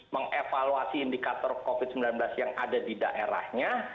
mengevaluasi indikator covid sembilan belas yang ada di daerahnya